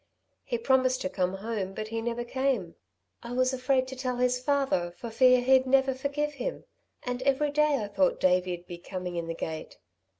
He promised to come home, but he never came. I was afraid to tell his father for fear he'd never forgive him, and every day I thought Davey'd be coming in the gate.